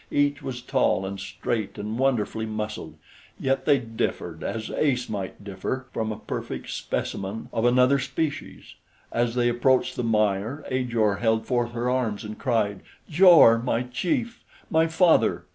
Each was tall and straight and wonderfully muscled; yet they differed as Ace might differ from a perfect specimen of another species. As they approached the mire, Ajor held forth her arms and cried, "Jor, my chief! My father!"